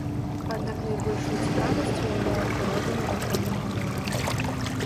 Аднак найбольшую цікавасць уяўляе прырода навакольнага мора.